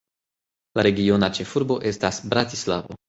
La regiona ĉefurbo estas Bratislavo.